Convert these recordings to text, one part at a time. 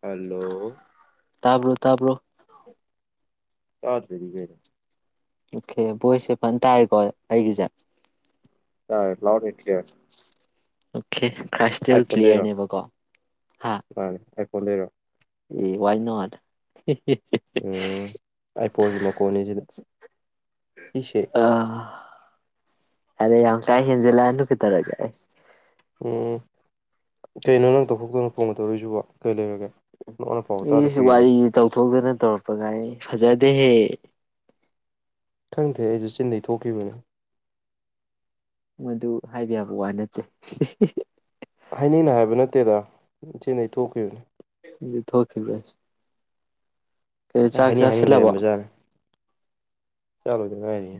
hello ꯇꯥꯕ꯭ꯔꯣ ꯇꯥꯕ꯭ꯔꯣ ꯇꯥ ꯗ꯭ꯔꯗꯤ ꯀꯩꯅꫭ ꯑꯣꯀꯦ ꯚꫭꯏꯁꯦ ꯐꯟ ꯇꯥꯔꯦꯀꯣ ꯑꯩꯒꯤꯁꯦ ꯇꯥꯏ loud and clear okay crystal ꯀ꯭ꯂꯤꯌꯥꯔꯅꯦꯕꯀꯣ ꯍꯥ ꯐꫭꯟꯗꯩꯔꯣ ꯑꯦ ꯋꯥꯏꯅꫭꯠ ꯎꯝ ꯑꯥꯏꯐꫭꯟꯒꯤ ꯃꯈꫭꯟꯅꯤꯁꯤꯗ ꯁꯤꯁꯦ ꯑꯔꯦ ꯌꯥꯝ ꯀꯥꯍ ꯦꯟꯖꯜꯂꯛꯑꯅꯨ ꯀꯩꯗꯧꯒꯦ ꯎꯝ ꯀꯩꯅꯣ ꯅꯪ ꯇꯧꯊꫭꯛꯇ ꯐꯣꯡ ꯒ ꯇꯧꯔꯛꯏ ꯁꯤꯕꫭ ꯀꯩ ꯂꯩꯔꯒꯦ ꯅꯉꯣꯟꯗ ꯄꯥꯎꯒ ꯇꯥꯗ ꯏꯁꯨ ꯀꯨꯏꯔꯦꯅꯦ ꯋꯥꯔꯤꯁꯤ ꯇꯧꯊꯣꯛꯇꯅ ꯇꯧꯔꯛꯄꯒꯥꯏ ꯐꯖꯗꯦꯍꯦ ꯈꯪꯗꯦ ꯑꯩꯁꯨ ꯆꯤꯟꯗꯩ ꯊꯣꯛꯈꯤꯕꯅꯤ ꯃꯗꯨ ꯍꯥꯏꯕ ꯌꯥꯕ ꯋꯥ ꯅꯠꯇꯦ ꯍꯥꯏꯅꯤꯡꯅ ꯍꯥꯏꯕ ꯅꯠꯇꯦꯗ ꯏꯆꯦꯅ ꯊꯣꯛꯈꯤꯕꯅꯦ ꯑꯗꯨꯗꯤ ꯊꯣꯛꯈꯤꯦ ꯁ ꯍꯥꯏꯅꯤꯡ ꯍꯥꯏꯅꯤꯡ ꯂꯩꯔꯝꯕꯖꯥꯠꯅꯤ ꯆꯥꯂꯣꯏꯗꯉꯥꯏꯔꯤ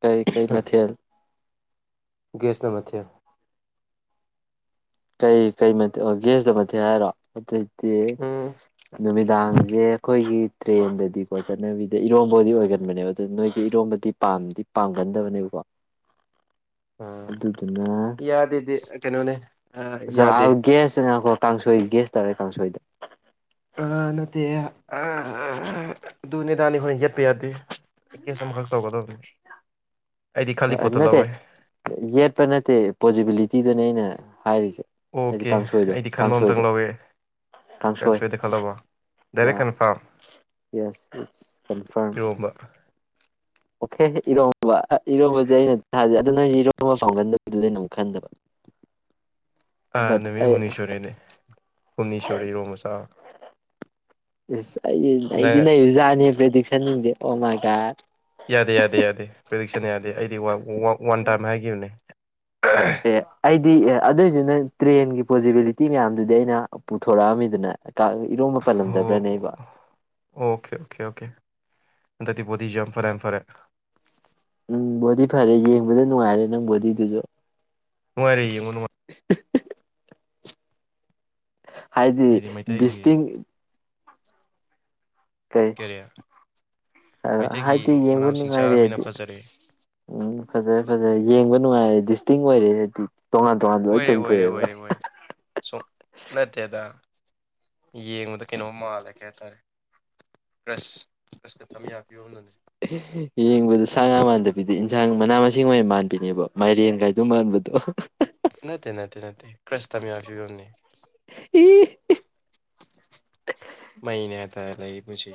ꯀꯩ ꯀꯩ ꯃꯊꯦꯜ ꯒꯦꯁ ꯅꯝꯕꯊ ꯀꯩ ꯀꯩ ꯃꯊꯦ ꯑꯣ ꯒꯦꯁꯇ ꯃꯊꯦ ꯍꯥꯏꯔꯣ ꯑꯇꯩ ꯎꯝ ꯅꯃꯤ ꯅꯨꯡꯗꯥꯡꯁꯦ ꯑꯩꯈꯣꯏꯒꯤ ꯇ꯭ꯔꯦꯟꯗꯗꯤꯀꯣ ꯆꯠꯅꯕꯤꯗ ꯏꯔꯣꯝꯕꯕꯨꯗꯤ ꯑꯣꯏꯒꯟꯕꯅꯦꯕ ꯑꯗꯨ ꯅꯣꯏꯁꯦ ꯏꯔꯣꯝꯕꯗꯤ ꯄꯥꯝꯗꯤ ꯄꯥꯝꯒꯟꯗꯕꯅꯦꯕꯀꯣ ꯑꯥ ꯑꯗꯨꯗꯨꯅ ꯌꯥꯗꯦꯗꯤ ꯀꯩꯅꯣꯅꯦ ꯑꯥ ꯌꯥꯗꯦ ꯒꯌꯥꯁꯇ ꯉꯀꯣ ꯀꯥꯡꯁꯣꯏꯒꯤ ꯒꯦꯁ ꯇꯔꯦꯠ ꯀꯥꯡꯁꯣꯏꯗ ꯑ ꯅꯠꯇꯦ ꯑꯗꯨꯅꯦꯗꯥꯅꯤ ꯑꯩꯣꯏꯅ ꯌꯦꯠꯄ ꯌꯥꯗꯦ ꯒꯦꯁ ꯑꯃꯈꯛ ꯇꯧꯒꯗꯧꯕꯅꯦ ꯅꯠꯇꯦ ꯌꯦꯠꯄ ꯅꯠꯇꯦ ꯄꯣꯖꯤꯕꯤꯂꯤꯇ ꯇꯤꯗꯨꯅꯦ ꯑꯩꯅ ꯍꯥꯏꯔꯤꯁꯦ ꯑꯩꯗꯤ ꯑꯣꯀꯦ ꯀꯥꯡꯁꯣꯏꯗꯣ ꯑꯩꯗꯤ ꯈꯟꯕ ꯑꯝꯇꯪ ꯀꯥꯡꯁꯣꯏꯗ ꯂꯧꯋꯦ ꯀꯥꯡꯁꯣꯏ ꯀꯥꯡꯁꯣꯏꯗ ꯈꯜꯂꯕꯣ ꯌꯥ direct confirm yes it's confirm ꯏꯔꯣꯝꯕ ꯑꯣꯀꯦ ꯏꯔꯣꯝꯕ ꯏꯔꯣꯝꯕꯁꯦ ꯑꯩꯅ ꯊꯥꯖꯩ ꯑꯗꯨ ꯅꯁꯦ ꯏꯔꯣꯝꯕ ꯐꯥꯎꯒꯟꯗꯕꯗꯨꯗꯩꯅ ꯑꯃꯨꯛ ꯈꯟꯗꯕ ꯑꯥ ꯕꯠ ꯅꯨꯃꯤꯠ ꯑꯩ ꯍꯨꯝꯅꯤꯁꯣꯔꯤꯅꯦ ꯍꯨꯝꯅꯤꯁꯣꯔꯤ ꯏꯔꯣ ꯃꯆꯥ ꯏꯁ ꯑꯩ ꯑꯩꯗꯤ ꯅꯖꯥꯅꯤ ꯄ꯭ꯔꯗꯤꯛꯁ ꯁꯤꯅꯤꯡꯖꯦ ꯑꯣꯃꯥꯒꯠ ꯌꯥꯗꯦ ꯌꯥꯗꯦ ꯌꯥꯗꯦ ꯄ꯭ꯔꯤꯗꯤꯛꯁꯟ ꯌꯥꯗꯦ ꯑꯩꯗꯤ ꯋꯥꯟ ꯇꯥꯏꯝ ꯍꯥꯏꯈꯤꯕꯅꯦ ꯑꯦ ꯑꯩꯗꯤ ꯑꯦ ꯑꯗꯨꯏꯁꯤ ꯅ ꯇ꯭ꯔꯦꯟꯒꯤ ꯄꯣꯖꯤꯕꯤꯂꯤꯇꯤ ꯃꯌꯥꯝꯗꯨꯗꯤ ꯑꯩꯅ ꯄꯨꯊꯣꯔꯛꯑꯝꯃꯤꯗꯅ ꯏꯔꯣꯝꯕ ꯑꯣ ꯄꯜꯂꯝꯗꯕ꯭ꯔꯅꯦ ꯑꯩꯕꯣ ꯑꯣꯀꯦ ꯑꯣꯀꯦ ꯑꯣꯀꯦ ꯑꯟꯗꯗꯤꯤꯄꯣꯗꯤꯤ ꯌ ꯌꯥꯝ ꯐꯔꯦ ꯐꯔꯦ ꯎꯝ ꯕꯣꯗꯤ ꯐꯔꯦ ꯌꯦꯡꯕꯗ ꯅꯨꯡꯉꯥꯏꯔꯦ ꯅꯪ ꯕꯣꯗꯤꯗꯨꯁꯨ ꯔꯤꯃ [inaudible] ꯍꯥꯏꯗꯤ ꯗꯤꯁꯇꯤꯡ ꯀꯩ ꯀꯔꯤ ꯑꯗ ꯃꯩꯇꯩꯒꯤ ꯍꯥꯏꯗꯤ ꯃꯅꯥ ꯌꯦꯡꯕ ꯃꯁꯤꯡ ꯆꯥꯔꯃꯤꯅ ꯅꯨꯡꯉꯥꯏꯔꯦꯗꯤ ꯐꯖꯔꯦ ꯎꯝ ꯐꯖꯔꯦ ꯐꯖꯔꯦ ꯌꯦꯡꯕ ꯅꯨꯡꯉꯥꯏꯔꯦꯗꯤ ꯇꯤꯡ ꯑꯣꯏꯏꯔꯦ ꯑꯣꯏꯔꯦ ꯑꯣꯏꯔꯦ ꯑꯣꯏꯔꯦ ꯑꯣꯏꯔꯦ ꯁꯨꯝ ꯅꯠꯇꯦꯗ ꯌꯦꯡꯕꯨꯗ ꯀꯩꯅꯣꯝ ꯃꯥꯜꯂꯦ ꯀꯩ ꯍꯥꯏꯇꯥꯔꯦ ꯄ꯭ꯔꯁ ꯌꯦꯡꯕꯗ ꯁꯥ ꯉ ꯃꯥꯟꯗ ꯄꯤꯗꯤ ꯌꯦꯟꯁꯥꯡ ꯃꯅꯥ ꯃꯁꯤꯡ ꯑꯣꯏꯅ ꯃꯥꯟꯕꯅꯦꯕ ꯃꯥꯏꯔꯦꯟꯒꯥꯏꯗ ꯃꯥꯟꯕꯗꯣ ꯅꯠꯇ ꯅꯠꯇ ꯅ ꯀ꯭ꯔꯔꯤꯁꯇꯃꯤ ꯑꯐꯒꯣꯟꯅꯤ ꯍ ꯃꯅ ꯑꯗꯥꯥꯏ ꯂꯩ ꯄꯨꯁꯤ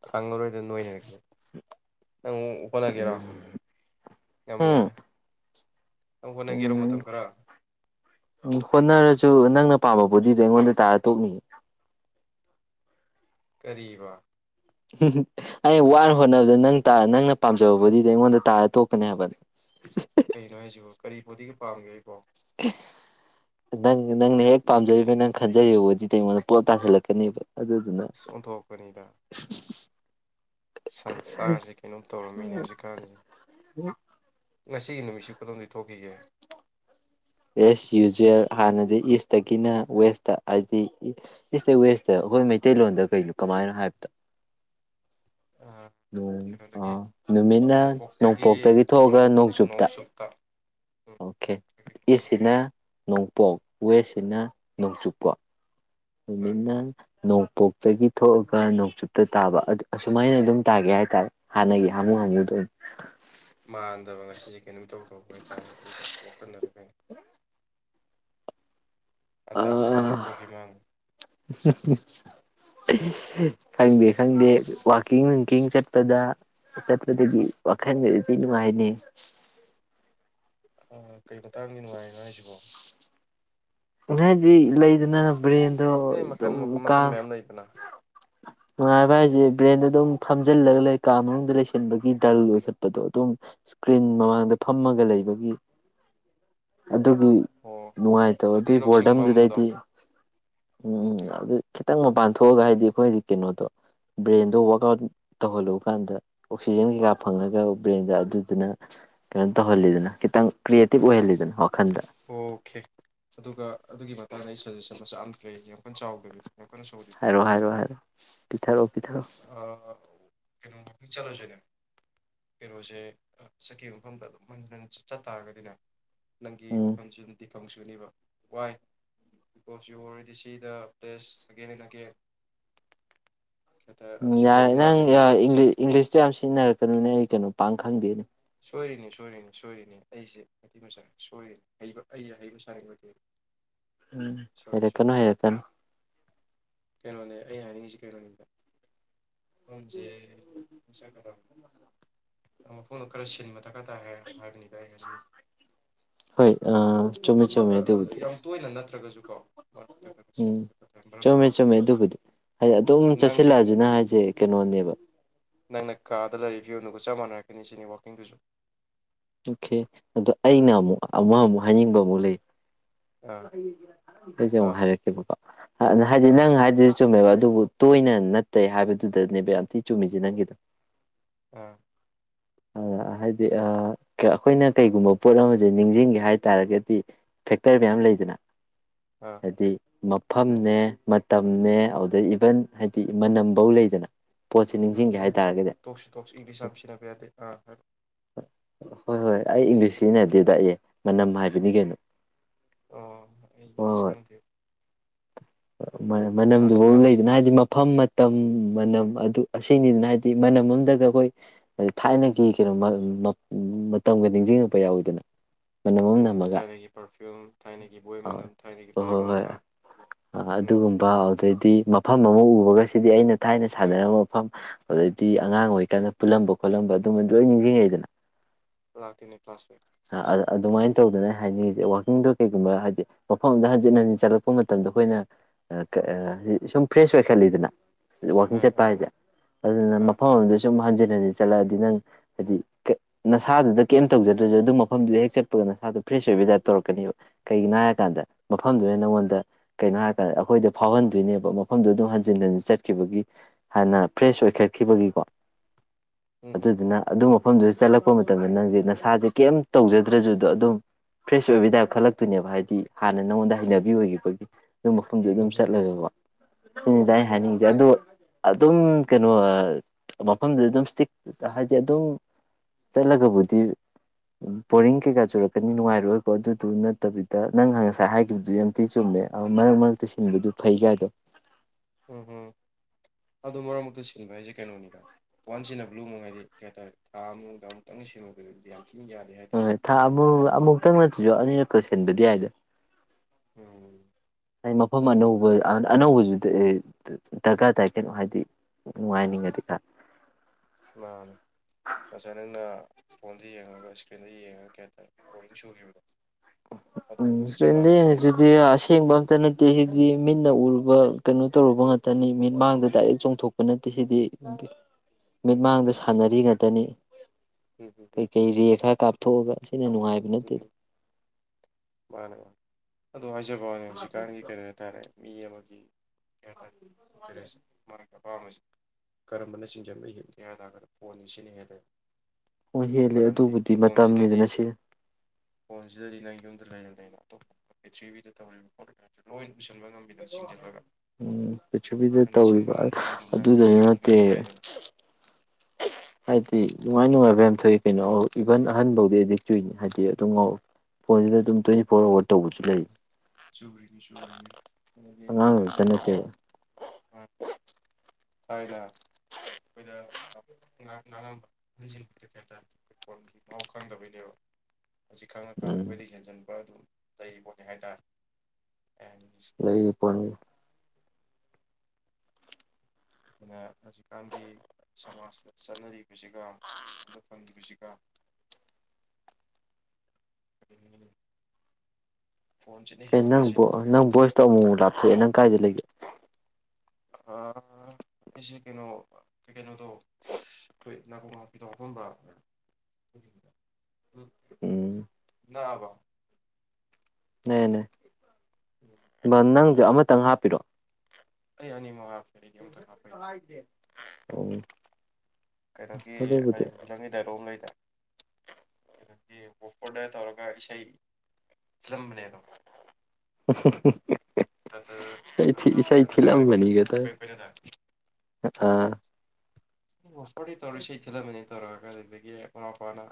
ꯑꯉꯉ ꯂꯣꯏꯗ ꯅꯣꯏꯅ ꯈꯦ ꯅꯪ ꯍꯣꯠꯅꯒꯦꯔꯣ ꯉꯝꯃꯣꯏꯗ ꯅꯪ ꯍꯣꯠꯅꯒꯦꯔꯣ ꯎꯝ ꯃꯇꯝ ꯈꯔ ꯎꯝ ꯍꯣꯠꯅꯔꯁꯨ ꯅꯪꯅ ꯑꯄꯥꯝꯕꯕꯨꯗꯤꯗꯣ ꯑꯩꯉꯣꯟꯗ ꯇꯥꯔ ꯇꯣꯛꯅꯤꯡꯉ ꯀꯔꯤꯕ ꯑꯩ ꯋꯥꯅ ꯍꯣꯠꯅꯕꯗ ꯅꯪ ꯅꯪꯅ ꯄꯥꯝꯖꯕꯕꯨꯗꯤ ꯑꯩꯉꯣꯟꯗ ꯇꯥꯔ ꯇꯣꯛꯀꯅꯤ ꯍꯥꯏꯕꯅꯤ ꯀꯩꯅꯣ ꯍꯥꯏꯁꯤꯕꯣ ꯀꯔꯤ ꯕꯨꯗꯤ ꯄꯥꯝꯒꯦ ꯑꯩꯀꯣ ꯅꯪ ꯅꯪꯅ ꯍꯦꯛ ꯄꯥꯝꯖꯔꯤꯕꯅꯤ ꯅꯪ ꯈꯟꯖꯔꯤꯕꯕꯨꯗꯤ ꯑꯩꯉꯣꯟꯗ ꯄꯣꯠꯞ ꯇꯥꯥꯁꯜꯂꯛꯀꯅꯦꯕ ꯑꯗꯨꯗ ꯑꯗꯨꯅ ꯑꯁ ꯁꯪꯁꯥꯔꯁꯤ ꯀꯩꯅꯣꯝ ꯇꯧꯔꯝꯃꯤꯅꯦ ꯍꯧꯖꯤꯛꯀꯥꯟꯁꯤꯦ ꯉꯁꯤꯒꯤ ꯅꯨꯃꯤꯠꯁꯤ ꯈꯨꯗꯣꯅꯤ ꯊꯣꯛꯈꯤꯒꯦ ꯏꯁ ꯌꯨꯖꯋꯦꯜ ꯍꯥꯟꯅꯗꯤ ꯏꯁꯇꯒꯤꯅ ꯋꯦꯁꯇ ꯍꯥꯏꯕꯗꯤ ꯏꯁꯇ ꯋꯦꯁꯇ ꯑꯩꯈꯣꯏ ꯃꯩꯇꯩꯂꯣꯟꯗ ꯀꯩꯅꯣ ꯀꯃꯥꯏꯅꯣ ꯍꯥꯏꯕꯗ ꯎꯝ ꯀꯩꯅꯣꯗꯒꯤ ꯑꯥ ꯅꯨꯃꯤꯠꯅ ꯅꯣꯡꯄꯣꯛꯇꯒꯤ ꯊꯣꯛꯑꯒ ꯅꯣꯡꯆꯨꯞꯇ ꯑꯣꯀꯦ ꯁꯤꯅ ꯅꯣꯡꯄꯣꯛ ꯋꯦꯁꯁꯤꯅ ꯅꯣꯡꯆꯨꯞꯄ ꯃꯥꯅꯤ ꯁꯃꯤꯟꯅ ꯃꯥꯅꯤ ꯅꯣꯡꯄꯣ ꯇꯒꯤ ꯊꯣꯛꯑꯒ ꯅꯣꯡꯆꯨꯞꯇ ꯇꯥꯕ ꯑꯁꯨꯃꯥꯏꯅ ꯑꯗꯨꯝ ꯇꯥꯒꯦ ꯍꯥꯏꯇꯥꯔꯦ ꯍꯥꯟꯅꯒꯤ ꯍꯥꯃꯨ ꯍꯥꯃꯨꯗꯝ ꯉꯁꯤ ꯀꯩꯅꯣꯝ ꯇꯧꯗꯧꯕ ꯍꯥꯏꯇꯥꯔꯦ ꯑꯩꯒꯤ ꯋꯥꯈꯜꯅꯔꯒ ꯎ ꯑꯜꯇꯥ ꯄꯨꯇꯥꯗ ꯑꯥ ꯊꯣꯛꯈꯤ ꯃꯥꯡ ꯈꯪꯗꯦ ꯈꯪꯗꯦ ꯋꯥꯋꯥꯛꯀꯤꯡ ꯅꯨꯡꯀꯤꯡ ꯆꯠꯄꯗ ꯆꯠꯄꯗꯗꯤ ꯋꯥꯈꯜꯗꯗꯗꯤ ꯅꯨꯡꯉꯥꯏꯅꯤꯩ ꯑꯣ ꯀꯔꯤ ꯃꯇꯥꯡꯒꯤ ꯅꯨꯡꯉꯥꯏꯔꯤꯅꯣ ꯍꯥꯏꯁꯤꯕꯣ ꯍꯗꯤ ꯂꯩ ꯑꯗꯨꯅꯕꯔꯤ ꯑꯗꯨ ꯑꯦ ꯑꯗꯨ ꯃꯈꯜ ꯀ ꯃꯈꯜ ꯃꯌꯥꯝ ꯂꯩꯗꯅ ꯅꯨꯡꯉꯥꯏꯕ ꯍꯥꯏꯁꯦ ꯕ꯭ꯔꯦꯟꯗ ꯑꯗꯨꯝ ꯐꯝꯖꯤꯜꯂꯒ ꯂꯩꯀꯥ ꯃꯅꯨꯡꯗ ꯂꯩꯁꯤꯟꯕꯒꯤ ꯗꯜ ꯑꯣꯏꯈꯠꯄꯗꯣ ꯑꯗꯨꯝ ꯏꯁꯀ꯭ꯔꯤꯟ ꯃꯃꯥꯡꯗ ꯐꯝꯃꯒ ꯂꯩꯕꯒꯤ ꯑꯗꯨꯒꯤ ꯑꯣ ꯅꯨꯡꯉꯥꯏꯇꯕ ꯕꯨꯙꯤ ꯑꯗꯨꯒꯤ ꯂꯧꯁꯤꯡ ꯃꯝꯕꯗꯣ ꯕꯣꯔꯗꯝꯗꯨꯗꯩꯗꯤ ꯎꯝ ꯎꯝ ꯑꯗꯨ ꯈꯤꯇꯪ ꯃꯄꯥꯟ ꯊꯣꯛꯑꯒ ꯍꯥꯏꯗꯤ ꯑꯩꯈꯣꯏꯗꯤ ꯀꯩꯅꯣꯗꯣ ꯕ꯭ꯔꯦꯟꯗꯣ ꯋꯥꯔꯛꯑꯥꯎꯠ ꯇꯧꯍꯜꯂꯨ ꯀꯥꯟꯗ ꯑꯣꯛꯁꯤꯖꯦꯟ ꯀꯩꯀꯥ ꯐꯪꯉꯒ ꯕ꯭ꯔꯦꯟꯗ ꯑꯗꯨꯗꯨꯅ ꯀꯩꯅꯣ ꯇꯧꯍꯜꯂꯤꯗꯅ ꯈꯤꯇꯪ ꯀ꯭ꯔꯤꯌꯦꯇꯤꯞ ꯑꯣꯏꯍꯜꯂꯤꯗꯅ ꯋꯥꯈꯟꯗ ꯑꯣꯀꯦ ꯑꯗꯨꯒ ꯑꯗꯨꯒꯤ ꯃꯇꯥꯡꯗ ꯑꯩ ꯁꯖꯦꯁꯟ ꯃꯆꯥ ꯑꯃꯇ ꯂꯩ ꯌꯦꯡꯉ ꯀꯟꯆꯥꯎ ꯦꯜꯂꯤ ꯍꯥꯏꯔꯑꯣ ꯍꯥꯏꯔꯛꯑꯣ ꯍꯥꯏꯔꯣꯑꯣ ꯄꯤꯊꯔꯛꯑꯣ ꯄꯤꯊꯔꯛꯑꯣ ꯀꯩꯅꯣꯃꯛꯇꯪ ꯆꯠꯂꯨꯁꯣꯏꯅꯦ ꯀꯩꯅꯣꯁꯦ ꯆꯠꯈꯤꯕ ꯃꯐꯝꯗ ꯑꯗꯨꯝ ꯃꯟꯖꯟ ꯍꯟ ꯆꯠ ꯇꯥꯔꯒꯗꯤꯅꯦ ꯅꯪ ꯎꯝ ꯑꯣꯈꯅꯁꯨ ꯐꯪꯁꯨꯅꯦꯕ ꯋꯥꯏ ꯀꯣꯞꯁꯨ ꯑꯣꯔꯦꯗꯤ ꯁꯤꯗ ꯄ꯭ꯂꯦꯁ ꯑꯒꯦꯟ ꯑꯦꯦꯟ ꯑꯒꯦꯟ ꯎꯝ ꯑꯗꯨꯁꯨ ꯌꯥꯔꯦ ꯕꯣꯔꯤꯡ ꯅꯪ ꯂꯥꯛꯀꯅꯦꯕ ꯏꯪꯂꯤꯁꯇꯣ ꯌꯥꯝ ꯁꯤꯖꯤꯟꯅꯔꯛꯀꯅꯤꯅꯦ ꯑꯩ ꯀꯩꯅꯣ ꯄꯥꯡ ꯈꯪꯗꯦꯅꯤ ꯁꯣꯏꯔꯤꯅꯤ ꯁꯣꯏꯔꯤꯅꯤ ꯁꯣꯏꯔꯤꯅꯤ ꯑꯩꯁꯦ ꯃꯤ ꯃꯆꯥ ꯁꯣꯏꯔꯤꯅꯤ ꯍꯩꯕ ꯑꯩ ꯍꯩꯕ ꯁꯥꯅꯤꯡꯕꯗꯤ ꯎꯝ ꯁꯣꯔꯤ ꯁꯣꯔꯤ ꯍꯩꯔꯦꯇꯅꯣ ꯍꯩꯔꯦꯇꯅꯣ ꯀꯩꯅꯣꯅꯦ ꯑꯩ ꯍꯥꯏꯅꯤꯡꯉꯤꯁꯤ ꯀꯩꯅꯣꯅꯤꯗ ꯖꯦꯁ ꯀ ꯑꯣ ꯅ ꯈꯔ ꯁꯤꯟꯃ ꯊꯛꯀꯔ ꯇꯥꯏ ꯍꯥꯏꯕꯅꯤꯗ ꯑꯩ ꯍꯥꯏꯅꯤꯡ ꯍꯣꯏ ꯆꯨꯝꯃꯦ ꯍꯥꯏꯗꯤ ꯆꯨꯝꯃꯦ ꯑꯗꯨꯕꯨꯗꯤ ꯌꯥꯝ ꯇꯣꯏꯅ ꯅꯠꯇ꯭ꯔꯒꯁꯨ ꯎꯝ ꯆꯨꯝꯃꯦ ꯇꯥꯔꯒꯗꯤ ꯆꯨꯝꯃꯦ ꯑꯗꯨꯕꯨꯗꯤ ꯑꯩꯅ ꯑꯗꯨꯝ ꯅꯪ ꯆꯠꯁꯤꯜꯂꯛꯑꯁꯨꯅ ꯍꯥꯏꯁꯦ ꯀꯩꯅꯣꯅꯦꯕ ꯅꯪꯅ ꯀꯥꯗ ꯂꯩꯔꯤ ꯐꯤꯕꯝ ꯑꯗꯨꯒ ꯆꯞ ꯃꯥꯟꯅꯔꯦ ꯀꯅꯤ ꯁꯤꯅꯤ ꯋꯥꯛꯀꯤꯡꯗꯨꯁꯨ ꯑꯣꯀꯦ ꯑꯗꯣ ꯑꯩꯅ ꯑꯃꯨꯛ ꯑꯃ ꯑꯃꯨꯛ ꯍꯥꯏꯅꯤꯡꯕ ꯑꯃꯨꯛ ꯂꯩ ꯑꯥ ꯑꯩꯁꯦ ꯑꯃꯨꯛ ꯇꯥꯁ ꯍꯥꯏꯔꯛꯀꯦꯕꯕꯥ ꯍꯥꯏꯗꯤ ꯅꯪ ꯇꯥꯁ ꯍꯥꯏꯗꯨꯗꯤ ꯆꯨꯝꯃꯦꯕ ꯑꯗꯨꯕꯨ ꯇꯣꯏꯅ ꯅꯠꯇꯦ ꯍꯥꯏꯕꯗꯨꯗꯅꯦꯕ ꯌꯥꯝ ꯊꯤ ꯆꯨꯝꯃꯤꯁꯦ ꯅꯪꯒꯤꯗꯣ ꯑꯥ ꯑ ꯍꯥꯏꯗꯤ ꯑꯩꯈꯣꯏꯅ ꯀꯩꯒꯨꯝꯕ ꯄꯣꯠ ꯑꯃꯁꯦ ꯅꯤꯡꯁꯤꯡꯒꯦ ꯍꯥꯏ ꯇꯥꯔꯒꯗꯤ ꯐꯦꯛꯇꯔ ꯃꯌꯥꯝ ꯂꯩꯗꯅ ꯑꯥ ꯍꯥꯏꯗꯤ ꯃ ꯃꯐꯝꯅꯦ ꯃꯇꯝꯅꯦ ꯑꯗꯨꯗꯩ ꯏꯚꯟ ꯍꯥꯏꯗꯤ ꯃꯅꯝꯐꯧ ꯂꯩꯗꯅ ꯄꯣꯠꯁꯦ ꯎꯝ ꯅꯤꯡꯁꯤꯡꯒꯦ ꯑꯦ ꯍꯥꯏ ꯇꯥꯔꯒꯗꯤ ꯇꯣꯛꯁꯤ ꯇꯣꯛꯁ ꯏꯪꯂꯤꯁ ꯌꯥꯝ ꯁꯤꯟꯅꯕ ꯌꯥꯗꯦ ꯑꯥ ꯍꯣꯏ ꯍꯣꯏ ꯍꯣꯏ ꯑꯩ ꯏꯪꯂꯤꯁꯁꯤꯅꯗꯦꯗ ꯑꯩ ꯃꯅꯝ ꯍꯥꯏꯕꯅꯤ ꯎꯝ ꯀꯩꯅꯣ ꯑꯣ ꯑꯩ ꯍꯣꯏ ꯏꯪꯂꯤꯁ ꯍꯣꯏ ꯈꯪꯗꯦ ꯃꯅꯝꯗꯨ ꯇꯥꯁ ꯐꯥꯎ ꯇꯥꯁ ꯂꯩꯗꯅ ꯍꯥꯏꯗꯤ ꯃꯐꯝ ꯃꯇꯝ ꯃꯅꯝ ꯑꯗꯨ ꯑꯁꯤꯅꯤꯗꯅ ꯍꯥꯏꯗꯤ ꯃꯅꯝ ꯑꯝꯗꯒ ꯑꯩꯈꯣꯏ ꯊꯥꯏꯅꯒꯤ ꯀꯩꯅꯣ ꯃꯇꯝꯒ ꯅꯤꯡꯁꯤꯡꯉꯛꯄ ꯌꯥꯎꯋꯤꯗꯅ ꯃꯅꯝ ꯑꯃ ꯎꯝ ꯅꯝꯃꯒ ꯊꯥꯏꯅꯒꯤ ꯄꯥꯔꯐꯤꯌꯨꯝ ꯊꯥꯏꯅꯒꯤ ꯕꯣꯏ ꯍꯣꯏ ꯃꯅꯝ ꯊꯥꯏꯅꯒꯤ ꯂꯥꯏꯔꯛ ꯍꯣꯏ ꯃꯅ ꯍꯣꯏ ꯍꯥ ꯎꯝ ꯗꯤ ꯃꯐꯝ ꯑꯃ ꯎꯕꯒꯁꯤꯗꯤ ꯑꯩꯅ ꯊꯥꯏꯅ ꯁꯥꯟꯅꯔꯝꯕ ꯃꯐꯝ ꯑꯗꯩꯗꯤ ꯑꯉꯥꯡ ꯑꯣꯏꯔꯤꯀꯥꯟꯗ ꯄꯨꯜꯂꯝꯕ ꯈꯣꯠꯂꯝꯕ ꯑꯗꯨꯃ ꯂꯣꯏ ꯅꯤꯡꯁꯤꯡꯉꯦꯗꯅ ꯂꯥꯛꯇꯣꯏꯅꯦ ꯀ꯭ꯂꯥꯁ ꯑꯗꯨꯃꯥꯏꯅ ꯇꯧꯗꯅꯦ ꯍꯥꯏꯅꯤꯡ ꯋꯥꯋꯥꯛꯀꯤꯡꯗꯣ ꯀꯩꯒꯨꯝꯕ ꯍꯥꯏꯕꯗꯤ ꯃꯐꯝꯗ ꯍꯟꯖꯤꯟ ꯍꯟꯖꯤꯟ ꯆꯠꯂꯛꯄ ꯃꯇꯝꯗ ꯑꯩꯈꯣꯏꯅ ꯁꯨꯝ ꯐ꯭ꯔꯦꯁ ꯑꯣꯏꯈꯠꯂꯤꯗꯅ ꯋꯥꯀꯤꯡ ꯑꯥ ꯆꯠꯄ ꯑꯥ ꯍꯥꯏꯁꯦ ꯑꯗꯨꯅ ꯑꯥ ꯃꯐꯝ ꯑꯃꯗ ꯁꯨꯝ ꯍꯟꯖꯤꯟ ꯎꯝ ꯆꯠꯂꯛꯑꯗꯤ ꯅꯪ ꯍꯥꯏꯗꯤ ꯅꯁꯥꯗꯨꯗ ꯀꯩꯝ ꯇꯧꯖꯗ꯭ꯔꯁꯨ ꯑꯗꯨꯝ ꯃꯐꯝꯗꯨꯗ ꯍꯦꯛ ꯆꯠꯄꯒ ꯅꯁꯥꯗꯨꯣ ꯐ꯭ꯔꯦꯁ ꯑꯣꯏꯕꯒꯤꯗꯥꯏꯞ ꯇꯧꯔꯛꯀꯅꯦꯕ ꯀꯩꯒꯤꯅꯣ ꯍꯥꯏꯔꯀꯥꯟꯗ ꯃꯐꯝꯗꯨꯅ ꯅꯪꯉꯣꯟꯗ ꯀꯩꯅꯅꯣ ꯍꯥꯏꯔꯀꯥꯟꯗ ꯑꯩꯈꯣꯏꯗ ꯐꯥꯎꯍꯟꯗꯣꯏꯅꯦꯕ ꯃꯐꯝꯗꯣ ꯑꯗꯨꯝ ꯍꯟꯖꯤꯟ ꯍꯟꯖꯤꯟ ꯆꯠꯈꯤꯕꯒꯤ ꯍꯥꯟꯅ ꯐ꯭ꯔꯦꯁ ꯑꯣꯏꯈꯠꯈꯤꯕꯒꯤꯀꯣ ꯎꯝ ꯑꯗꯨ ꯍꯝ ꯑꯗꯨꯅ ꯑꯗꯨꯝ ꯃꯐꯝꯗꯨꯗ ꯆꯠꯂꯛꯄ ꯃꯇꯝꯗ ꯅꯪꯁꯦ ꯅꯁꯥꯁꯦ ꯀꯩꯝ ꯇꯧꯖꯗ꯭ꯔꯖꯗꯣ ꯑꯗꯨꯝ ꯐ꯭ꯔꯦꯁ ꯑꯣꯏꯕ ꯇꯥꯏꯞ ꯈꯜꯂꯛꯇꯣꯏꯅꯦꯕ ꯍꯥꯏꯗꯤ ꯍꯥꯟꯅ ꯅꯪꯉꯣꯟꯗ ꯍꯩꯅꯕꯤ ꯑꯣꯏꯈꯤꯕꯒꯤ ꯑꯗꯨ ꯃꯐꯝꯗꯨ ꯑꯗꯨꯝ ꯎꯝ ꯍꯝ ꯆꯠꯂꯒꯦꯀꯣ ꯁꯤꯅꯤꯗ ꯑꯩ ꯎꯝ ꯍꯝ ꯍꯥꯏꯅꯤꯡꯤꯁꯦ ꯑꯗꯣ ꯑꯗꯨꯝ ꯀꯩꯅꯣ ꯃꯐꯝꯗꯨ ꯑꯗꯨꯝ ꯏꯁꯇꯤꯛ ꯍꯥꯏꯗꯤ ꯑꯗꯨꯝ ꯆꯠꯂꯒꯕꯨꯗꯤ ꯕꯣꯔꯤꯡ ꯀꯩꯀꯥ ꯆꯨꯔꯛꯀꯅꯤ ꯅꯨꯡꯉꯥꯏꯔꯣꯏꯀꯣ ꯑꯗꯨꯗꯨ ꯅꯠꯇꯕꯤꯗ ꯅꯪ ꯉꯁꯥꯏ ꯍꯥꯏꯈꯤꯕꯗꯨ ꯌꯥꯝ ꯊꯤ ꯆꯨꯝꯃꯦ ꯃꯔꯛ ꯃꯔꯛꯇ ꯁꯤꯟꯕꯗꯨ ꯐꯩ ꯀꯥꯏꯗꯣ ꯎꯝ ꯎꯝ ꯑꯗꯨ ꯃꯔꯛ ꯃꯔꯛꯇ ꯁꯤꯟꯕ ꯍꯥꯏꯁꯦ ꯀꯩꯅꯣꯅꯤꯒ ꯋꯥꯟꯁꯤꯅ ꯕ꯭ꯂꯨ ꯃꯨ ꯍꯥꯏꯗꯤ ꯀꯩ ꯍꯥꯏꯇꯥꯔꯦ ꯊꯥ ꯑꯃꯗ ꯑꯃꯨꯛꯇꯪꯒꯤ ꯁꯤꯟꯃꯗ ꯗꯤ꯭ꯟ ꯇꯦ ꯑꯣ ꯊ ꯑꯕꯨ ꯑꯃꯨꯛꯇꯪ ꯅꯠꯇ꯭ꯁꯨ ꯑꯅꯤꯔꯛꯛꯇꯛꯁꯟꯕꯗꯤ ꯌꯥꯏꯗ ꯎꯝ ꯑꯩ ꯃꯐꯝ ꯑꯅꯧꯕ ꯑꯅꯧꯕꯁꯤꯗ ꯗꯔꯀꯥꯔ ꯇꯥꯏ ꯀꯩꯅꯣ ꯍꯥꯏꯗꯤ ꯅꯨꯡꯉꯥꯏꯅꯤꯡꯉꯗꯤ ꯈꯔ ꯃꯥꯅꯦ ꯉꯁꯥꯏ ꯅꯪꯅ ꯐꯣꯟꯗ ꯌꯦꯡꯉꯒ ꯏꯁꯀ꯭ꯔꯤꯟꯗ ꯌꯦꯡꯉꯒ ꯀꯩ ꯍꯥꯏꯇꯥꯔꯦ ꯕꯣꯔꯗꯤꯡ ꯁꯨꯈꯤꯕꯗꯣ ꯎꯝꯦꯟ ꯑꯗꯨꯗꯤ ꯑꯁꯦꯡꯕ ꯑꯝꯇ ꯅꯠꯇꯦ ꯁꯤꯗꯤ ꯃꯤꯠꯅ ꯎꯔꯨ ꯀꯩꯅꯣ ꯇꯧꯔꯨꯕ ꯉꯥꯛꯇꯅꯤ ꯃꯤꯠ ꯃꯥꯡꯗ ꯗꯥꯏꯔꯦꯛ ꯆꯣꯡꯊꯣꯛꯄ ꯅꯠꯇꯦ ꯁꯤꯗꯤ ꯎꯝ ꯍꯝ ꯃꯤꯠꯃꯥꯡꯗ ꯍꯝ ꯍꯝ ꯁꯥꯟꯅꯔꯤ ꯉꯥꯛꯇꯅꯤ ꯎꯝ ꯍꯝ ꯍꯝ ꯀꯩꯀꯩ ꯔꯦ ꯈꯔ ꯀꯥꯞꯊꯣꯛꯑꯒ ꯩꯅ ꯅꯨꯡꯉꯥꯏꯕ ꯅ ꯎꯝ ꯍꯝ ꯃꯥꯅꯦ ꯃꯥꯅꯦ ꯑꯗꯨꯗꯣ ꯍꯥꯏꯖꯕꯅꯦ ꯍꯧꯖꯤꯛꯀꯥꯟꯒꯤ ꯀꯔꯤ ꯍꯥꯏꯇꯥꯔꯦ ꯃꯤ ꯑꯃꯒꯤ ꯑꯗꯨ ꯑꯄꯥꯝꯕꯕꯁꯤ ꯀꯔꯝꯕꯅ ꯆꯤꯡꯖꯅ ꯍꯦꯞꯒꯦ ꯍꯥꯏꯕꯇꯥꯔꯒꯗ ꯐꯣꯟꯅꯤ ꯁꯤꯅ ꯍꯦꯂꯦ ꯍꯣꯏ ꯍꯦꯂ ꯑꯗꯨꯕꯨꯗꯤ ꯐꯣꯟꯁꯤꯗꯗꯤ ꯃꯇꯝꯅꯤꯗꯅ ꯁꯤ ꯐꯣꯟꯁꯤꯗꯗꯤ ꯅꯪ ꯌꯨꯝꯗ ꯂꯩꯅ ꯂꯩꯕ ꯑꯇꯣꯞ ꯄ꯭ꯔꯤꯊ꯭ꯔꯤꯕꯕꯤꯗ ꯇꯧꯔꯤꯕ ꯄꯣꯠꯌꯥꯝ ꯂꯣꯏ ꯎꯝ ꯄ꯭ꯔꯤꯊꯤꯕꯤꯗ ꯅꯪꯅ ꯆꯤꯡꯕ ꯇꯧꯔꯤꯕ ꯉꯝꯗ꯭ꯔꯁꯨ ꯑꯗꯨꯝ ꯅꯪ ꯑꯗꯨꯗꯁꯨ ꯊꯤꯔꯒ ꯑꯗꯨꯝ ꯅꯠꯇꯦ ꯌꯦꯡ ꯌꯥꯏꯗꯅ ꯍꯥꯏꯗꯤ ꯅꯨꯡꯉꯥꯏ ꯅꯨꯡꯉꯥꯏꯕ ꯄꯣꯕ꯭ꯂꯦꯝ ꯊꯣꯛꯏ ꯀꯩꯅꯣ ꯏꯚꯟ ꯑꯍꯟ ꯐꯥꯎꯗꯤ ꯑꯦꯗꯤꯛ ꯆꯨꯏꯅꯤ ꯍꯥꯏꯗꯤ ꯑꯗꯨꯝ ꯐꯣꯟꯁꯤꯗ ꯑꯗꯨꯝ ꯇ꯭ꯋꯦꯟꯇꯤ ꯐꯣꯔ ꯑꯋꯥꯔ ꯇꯧꯕꯁꯨ ꯂꯩ ꯁꯨꯔꯤꯅꯦ ꯆꯨꯔꯤꯅꯦ ꯑꯉꯥꯡ ꯆꯟꯅꯁ ꯊꯥꯏꯅ ꯑꯩꯈꯣꯏꯗ ꯉꯥꯡꯕ ꯍꯟꯖꯤꯟꯕꯒꯤꯗ ꯀꯩ ꯍꯥꯏꯇꯥꯥꯔꯦ ꯐꯠ ꯐꯣꯟꯒꯤ ꯃꯍꯥꯎ ꯈꯪꯗꯕꯩꯅꯦꯕ ꯑꯁꯤ ꯈꯪꯉꯀꯥꯟꯗ ꯎꯝ ꯑꯩꯈꯣꯏꯗ ꯍꯦꯟꯖꯤꯟ ꯑꯗꯨ ꯂꯩ ꯄꯣꯠꯅꯤ ꯍꯥꯏꯇꯥꯔꯦ ꯂꯩ ꯐꯅꯤ ꯑꯗꯨꯅ ꯍꯧꯖꯤꯛꯀꯥꯟꯒꯤ ꯁꯃꯥꯖꯇ ꯆꯠꯅꯔꯤꯕꯁꯤꯒ ꯑꯗ ꯐꯪꯉꯁꯤꯒ ꯀꯔꯤ ꯑꯦ ꯅꯪ ꯅꯪ ꯚꯣꯏꯁꯇꯣ ꯑꯃꯨꯛꯛ ꯂꯥꯞꯊꯣꯛꯑꯦ ꯅꯪ ꯀꯥꯏꯗ ꯂꯩꯗꯒꯤꯦ ꯑꯩꯁꯤꯦ ꯀꯩꯅꯣ ꯀꯩꯅꯣꯗꯣ ꯑꯩꯈꯣꯏ ꯅꯥꯀꯣꯡ ꯉꯄꯤꯗꯣ ꯍꯥꯐꯝꯕ ꯎꯝ ꯑꯣꯦ ꯕ ꯅꯅꯦ ꯅꯪꯁꯦ ꯑꯃꯇꯪ ꯍꯥꯞꯄꯤꯔꯣꯑꯣ ꯑꯩ ꯑꯅꯤꯃꯛ ꯍꯥꯞꯄꯦ ꯑꯩꯗꯤ ꯑꯃꯇꯪ ꯍꯥꯞꯄꯩꯗꯤ ꯎ ꯀꯩꯅꯣꯒꯤ ꯀ ꯍꯧꯖꯤ ꯂꯝꯪꯒꯤ ꯗꯥꯏꯔꯣ ꯑꯃ ꯂꯩꯗ ꯀꯩꯅꯗꯤ ꯑꯣꯐꯣꯔꯗ ꯇꯧꯔꯒ ꯏꯁꯩ ꯊꯤꯜꯂꯝꯕꯅꯦ ꯑꯗꯣ ꯁ ꯅꯠꯇ ꯊꯤꯂ ꯑꯃ ꯂꯥꯏꯔ ꯀꯩꯅꯣ ꯃꯅꯤꯒ ꯇ ꯑꯥ ꯁꯤ ꯀꯧ ꯇꯧꯔꯤꯁꯤ ꯊ ꯃꯅꯤꯅ ꯇꯧꯔ ꯀꯀꯗꯤ ꯑꯗꯒꯤ ꯃꯃꯥ ꯐꯄꯥꯅ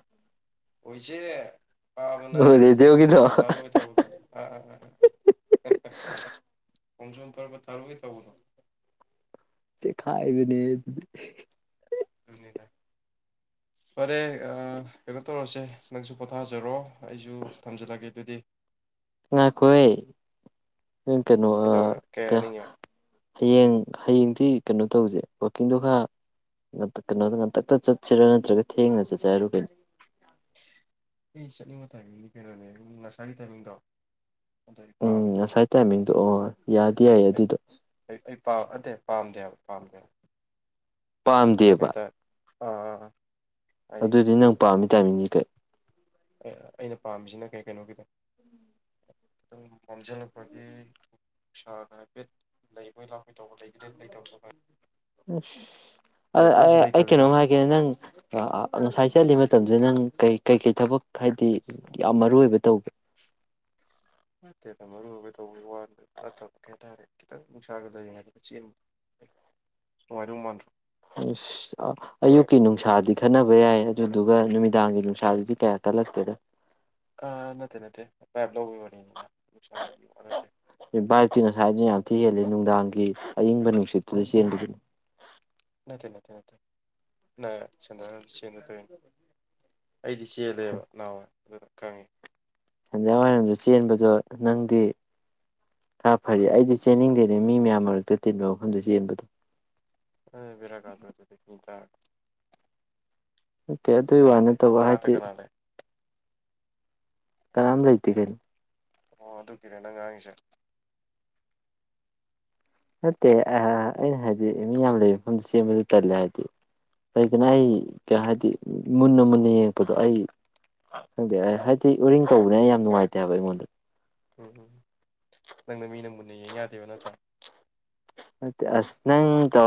ꯑꯩꯁꯦ ꯄꯥꯕꯅ ꯑꯣ ꯈꯣꯡꯆꯨ ꯔꯦꯗꯤꯑꯣꯒꯤꯗꯣ ꯈꯔꯄ ꯊꯥꯔꯑꯣꯏ ꯇꯧꯕꯗꯣ ꯑ ꯑꯣꯣꯡꯁꯝ ꯇꯔꯕ ꯊꯥꯔꯨꯒꯦ ꯇꯧꯕꯗꯣ ꯁꯤ ꯈꯥꯏꯕꯅꯦ ꯐꯔꯦ ꯑ ꯀꯩꯅꯣ ꯇꯧꯔꯦ ꯅꯪꯁꯨ ꯄꯣꯊꯥꯔꯁꯦ ꯊꯝꯖꯔꯣ ꯑꯩꯁꯨ ꯊꯝꯖꯜꯂꯒꯦ ꯑꯗꯨꯗꯤ ꯉ ꯉꯥꯏꯈꯣꯏ ꯀꯩꯅꯣ ꯀꯩꯗꯧꯔꯦ ꯀꯩ ꯍꯥꯏꯅꯤꯡꯉꯦ ꯍꯌꯦꯡ ꯍꯌꯦꯡꯗꯤ ꯀꯩꯅꯣ ꯇꯧꯁꯦ ꯋꯥꯛꯀꯤꯡꯗꯣ ꯈꯔ ꯀꯩꯅꯣꯗ ꯉꯥꯛꯇꯛꯇ ꯆꯠꯁꯤꯔꯥ ꯅꯠꯇ꯭ꯔꯒ ꯊꯦꯡꯅ ꯆꯠꯁꯦ ꯍꯥꯏꯔꯨ ꯀꯩꯅꯣ ꯑꯩ ꯆꯠꯅꯤꯡꯕ ꯇꯥꯏꯃꯤꯡꯗꯤ ꯀꯩꯅꯣꯅꯦ ꯅꯁꯥꯔꯒꯤ ꯇꯥꯏꯃꯤꯡꯗꯣ ꯑꯗꯨ ꯑꯩ ꯄꯥꯝꯗꯦ ꯎꯝꯁꯥꯏꯇ ꯃꯤ ꯇ ꯑꯣ ꯌꯥꯗꯤ ꯌꯥꯏ ꯑꯩ ꯑꯗꯨꯗꯣ ꯑꯩ ꯑꯗꯦ ꯄꯥꯝꯗꯦꯕ ꯄꯥꯝꯗꯦ ꯄꯥꯝꯗꯦꯕ ꯑꯥ ꯑꯗꯨꯗꯤ ꯅꯪ ꯄꯥꯝꯃꯤ ꯇꯥꯏꯃꯤꯡꯁ ꯀꯩ ꯑꯩꯅ ꯄꯥꯝꯃꯤꯁꯤꯅ ꯀꯩ ꯀꯩꯅꯣꯒꯤꯗꯣ ꯈꯤꯇꯪ ꯃꯝꯁꯤꯜꯂꯛꯄꯒꯤ ꯎ ꯁꯥꯥꯒ ꯍꯥꯏꯐꯦꯠ ꯂꯩꯕꯣꯏ ꯂꯥꯛ ꯎ ꯑ ꯂꯩꯕ꯭ꯔꯁꯨ ꯑꯩ ꯂꯩꯇꯕꯤꯗꯣ ꯀꯩꯅꯣꯝ ꯍꯥꯏꯒꯦ ꯅꯪ ꯉꯁꯥꯏ ꯆꯠꯂꯤ ꯃꯇꯝꯗꯨꯗ ꯅꯪ ꯀꯩ ꯀꯩꯀꯩ ꯊꯕꯛ ꯍꯥꯏꯗꯤ ꯌꯥꯝ ꯃꯔꯨ ꯑꯣꯏꯕ ꯇꯧꯒꯦ ꯅꯠꯇꯦꯗ ꯃꯔꯨ ꯑꯣꯏꯕ ꯇꯧꯕꯒꯤ ꯋꯥ ꯅꯠꯇꯕ ꯀꯩ ꯍꯥꯏꯇꯥꯔꯦ ꯈꯤꯇꯪ ꯅꯨꯡꯁꯥꯒ ꯂꯩꯔꯤꯉꯩꯗ ꯆꯦꯟ ꯅꯨꯉꯥꯏꯗꯧ ꯃꯥꯟꯗ꯭ꯔꯣ ꯑꯁ ꯑꯌꯨꯛꯀꯤ ꯅꯨꯡꯁꯥꯗꯤ ꯈꯟꯅꯕ ꯌꯥꯏ ꯑꯗꯨꯗꯨꯒ ꯅꯨꯃꯤꯗꯥꯡꯒꯤ ꯅꯨꯡꯁꯥꯗꯨꯗꯤ ꯀꯌꯥ ꯀꯜꯂꯛꯇꯦꯗ ꯑꯥ ꯅꯠꯇꯦ ꯅꯠꯇꯦ ꯄꯥꯏꯞ ꯂꯧꯕꯩ ꯋꯥꯔꯤꯅꯤꯗ ꯅꯨꯡꯁꯥꯒꯤ ꯋꯥ ꯅꯠꯇꯦ ꯕꯥꯏꯠ ꯁꯦ ꯉꯁꯥꯏꯗꯩ ꯌꯥꯝ ꯊꯤ ꯍꯦꯜꯂꯤ ꯅꯨꯡꯗꯥꯡꯒꯤ ꯑꯏꯤꯡꯕ ꯅꯨꯡꯁꯤꯠꯇꯨꯗ ꯆꯦꯟꯕꯒꯤ ꯅꯠꯇꯦ ꯅꯠꯇꯦ ꯅꯠꯇꯦ [unintelligible] ꯆꯦꯟꯗ ꯇꯧꯏꯅꯤ ꯑꯩꯗꯤ ꯆꯦꯜꯂꯦꯕ ꯅꯥꯍꯥꯋꯥꯏ ꯑꯗꯨꯅ ꯀꯪꯉꯦ ꯁꯟꯗ꯭ꯌꯥ ꯋꯥꯏꯔꯝꯗ ꯆꯦꯟꯕꯗꯣ ꯅꯪꯗꯤ ꯈꯔ ꯐꯔꯤ ꯑꯩꯗꯤ ꯆꯦꯟꯅꯤꯡꯗꯦꯅꯦ ꯃꯤ ꯃꯌꯥꯝ ꯃꯔꯛꯇ ꯇꯤꯟꯕ ꯃꯐꯝꯗ ꯆꯦꯟꯕꯗꯣ ꯑ ꯕꯦꯔꯥ ꯀꯥꯗꯔꯣ ꯑꯗꯨꯗꯤ ꯃꯤ ꯇꯥꯔ ꯅꯠꯇꯦ ꯑꯗꯨꯏ ꯋꯥ ꯀꯅꯥ ꯂꯩ ꯅꯠꯇꯕ ꯅꯅꯥꯛꯇ ꯍꯥꯏꯗꯤ ꯀꯅꯥ ꯂꯩ ꯀꯅꯥꯝ ꯂꯩꯇꯦ ꯀꯩꯅꯣ ꯑꯣ ꯑꯗꯨꯒꯤꯔ ꯅꯪ ꯉꯥꯡꯉꯤꯖꯦ ꯅꯠꯇꯦ ꯑꯥ ꯑꯩꯅ ꯍꯥꯏꯗꯤ ꯃꯤ ꯌꯥꯝ ꯂꯩꯕ ꯃꯐꯝꯗ ꯆꯦꯟꯕꯗꯣ ꯇꯜꯂꯦ ꯍꯥꯏꯗꯤ ꯂꯩꯗꯅ ꯑꯩ ꯀ ꯍꯥꯏꯗꯤ ꯃꯨꯟꯅ ꯃꯨꯟꯅ ꯌꯦꯡꯉꯛꯄꯗꯣ ꯑꯩ ꯈꯪꯗꯦ ꯍꯥꯏꯗꯤ ꯎꯔꯤꯡ ꯇꯧꯕꯅꯤꯅ ꯑꯩ ꯌꯥꯝ ꯅꯨꯡꯉꯥꯏꯇꯦ ꯍꯥꯏꯕ ꯑꯩꯉꯣꯟꯗ ꯎꯝ ꯎꯝ ꯅꯪꯅ ꯃꯤ ꯅ ꯃꯨꯟꯅ ꯌꯦꯡ ꯌꯥꯗꯦꯕ ꯅꯠꯇ꯭ꯔꯥ ꯅꯠꯇꯦ ꯑꯁ ꯅꯪ ꯇꯧ